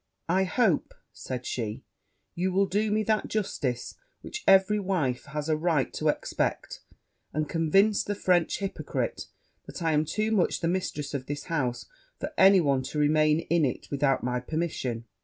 'I hope,' said she, 'you will do me that justice which every wife has a right to expect, and convince the French hypocrite that I am too much the mistress of this house for any one to remain in it without my permission.'